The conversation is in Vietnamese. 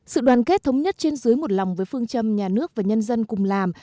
sự đoàn kết thống nhất trên dưới một lòng với phương châm nhà nước và nhân dân cùng làm